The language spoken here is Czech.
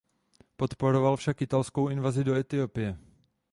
Podporoval však italskou invazi do Etiopie.